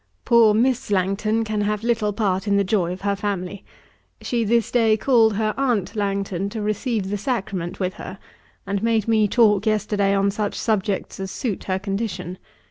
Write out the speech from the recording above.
'Poor Miss Langton can have little part in the joy of her family. She this day called her aunt Langton to receive the sacrament with her; and made me talk yesterday on such subjects as suit her condition.